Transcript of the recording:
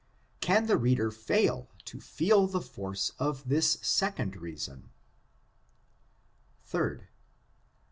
Can the read er fail to feel the force of this second reason? 3d.